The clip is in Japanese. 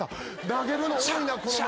投げるの多いなこの町。